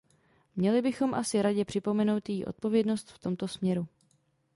Měli bychom asi Radě připomenout její odpovědnost v tomto směru.